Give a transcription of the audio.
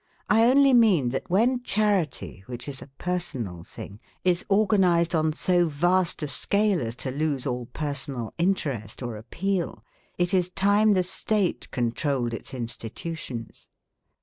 I only mean that when charity, which is a personal thing, is organized on so vast a scale as to lose all personal interest or appeal, it is time the State con trolled its institutions.